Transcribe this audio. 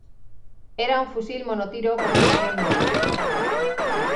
Era un fusil monotiro con un cañón móvil.